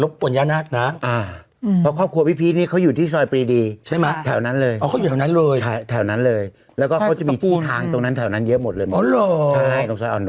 ตรงนั้นมูลค่าเท่าไรมูลค่าเยอะมากอ๋อแล้วของพี่พีชทองเจือหมดเลยเหรอ